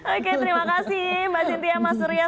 oke terima kasih mbak cynthia mas surya